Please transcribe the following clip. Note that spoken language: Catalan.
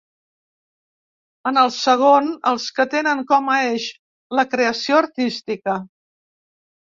En el segon, els que tenen com a eix la creació artística.